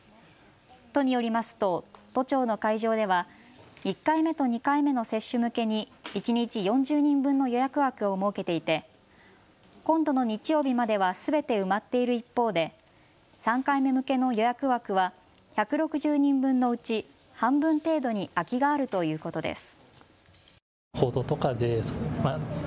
都によりますと都庁の会場では１回目と２回目の接種向けに一日４０人分の予約枠を設けていて今度の日曜日まではすべて埋まっている一方で３回目向けの予約枠は１６０人分のうち半分程度に空きがあるということです。